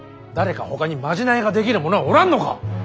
誰かほかにまじないができる者はおらんのか。